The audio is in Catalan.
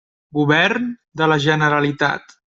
Govern de la Generalitat.